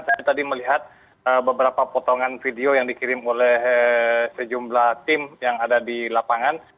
saya tadi melihat beberapa potongan video yang dikirim oleh sejumlah tim yang ada di lapangan